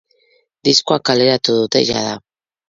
Diskoa kaleratu dute jada.